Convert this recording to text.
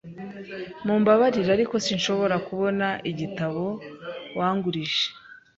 Mumbabarire, ariko sinshobora kubona igitabo wangurije.